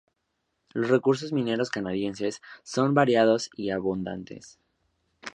Los recursos mineros canadienses son variados y abundantes.